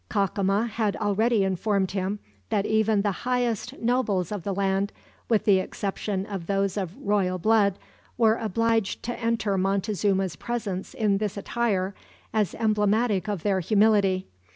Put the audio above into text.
Cacama had already informed him that even the highest nobles of the land, with the exception of those of royal blood, were obliged to enter Montezuma's presence in this attire, as emblematic of their humility.